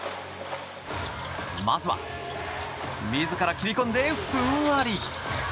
まずは自ら切り込んで、ふわり。